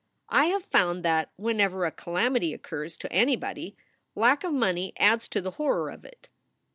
I have found that, whenever a calamity occurs to anybody, lack of money adds to the horror of it."